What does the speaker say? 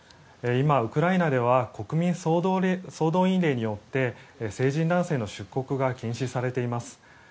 今、ウクライナでは国民総動員令によって成人男性の出国が禁止されています。